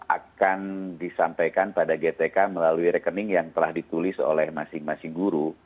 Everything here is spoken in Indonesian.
akan disampaikan pada gtk melalui rekening yang telah ditulis oleh masing masing guru